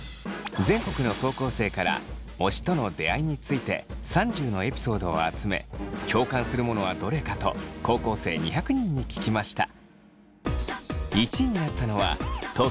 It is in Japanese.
全国の高校生から推しとの出会いについて３０のエピソードを集め共感するものはどれかと高校生２００人に聞きました。